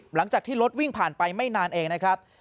หลังจากที่รถวิ่งผ่านไปไม่นานเองนะครับ